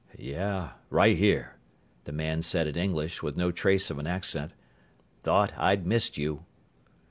"Yeah, right here," the man said in English with no trace of an accent. "Thought I'd missed you."